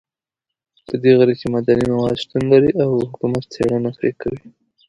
په دې غره کې معدني مواد شتون لري او حکومت څېړنه پرې کوي